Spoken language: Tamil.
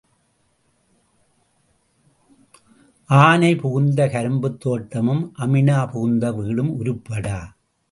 ஆனை புகுந்த கரும்புத் தோட்டமும் அமீனா புகுந்த வீடும் உருப்படா.